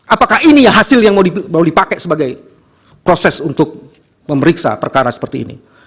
apakah ini hasil yang mau dipakai sebagai proses untuk memeriksa perkara seperti ini